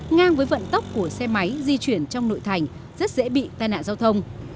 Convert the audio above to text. ngang với vận tốc của xe máy di chuyển trong nội thành rất dễ bị tai nạn giao thông